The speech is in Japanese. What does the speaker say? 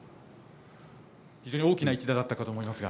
非常に大きな一打だったかと思いますが。